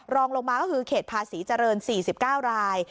รองลงมาก็คือเขตภาษีเจริญ๔๙ราย